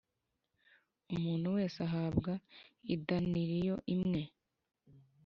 umuntu wese ahabwa idenariyo imwe